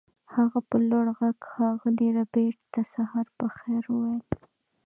هغه په لوړ غږ ښاغلي ربیټ ته سهار په خیر وویل